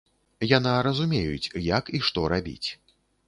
Яна разумеюць, як і што рабіць.